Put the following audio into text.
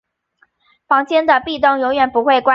房间的壁灯永远不会关闭。